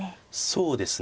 そうですね。